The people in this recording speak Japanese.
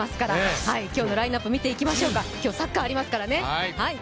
今日のラインナップ見ていきましょうか、今日はサッカーありますからね。